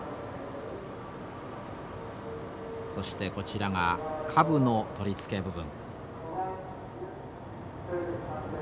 そしてこちらが下部の取り付け部分。